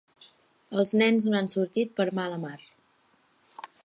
Els nens no han sortit per mala mar.